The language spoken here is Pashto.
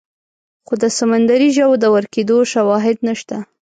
خو د سمندري ژوو د ورکېدو شواهد نشته.